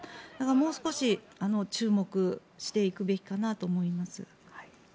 もう少し注目していくべきかなと思います。